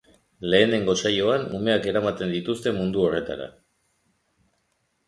Lehenengo saioan umeak eramaten dituzte mundu horretara.